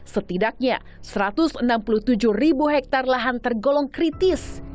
setidaknya satu ratus enam puluh tujuh ribu hektare lahan tergolong kritis